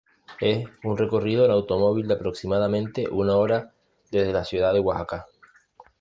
Es un recorrido en automóvil de aproximadamente una hora desde la ciudad de Oaxaca.